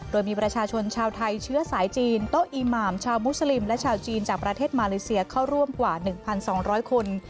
โดยมีประชาชนชาวไทยเชื้อสายจีนโต๊ะอีหมามชาวมุสลิมและชาวจีนจากประเทศมาเลเซียเข้าร่วมกว่า๑๒๐๐คน